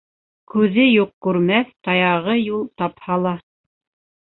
Күҙе юҡ күрмәҫ, таяғы юл тапһа ла.